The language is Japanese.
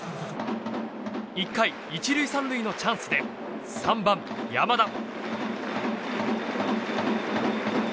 １回、１塁３塁のチャンスで３番、山田。